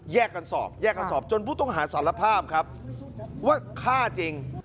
แยกกันสอบจนผู้ต้องหาสารภาพว่าฆ่าจริง